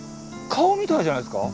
顔みたいじゃないですか？